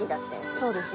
そうです。